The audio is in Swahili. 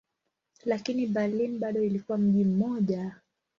Lakini Berlin bado ilikuwa mji mmoja.